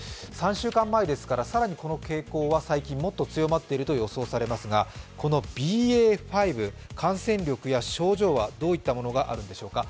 ３週間前ですから更にこの傾向は強まっていると予想されますがこのＢＡ．５、感染力や症状はどういったものがあるんでしょうか。